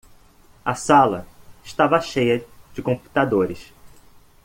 A sala estava cheia de computadores.